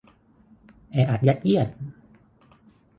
แออัดยัดเยียด